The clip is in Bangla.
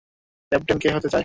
ক্যাপ্টেন কে হতে চায়?